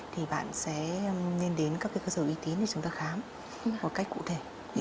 thì bạn sẽ nên đến các cơ sở uy tín để chúng ta khám một cách cụ thể